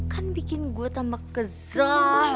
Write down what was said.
kan bikin gue tambah kesel